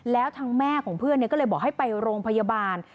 แล้วทางแม่ของเพื่อนก็เลยบอกให้ไปโรงพยาบาล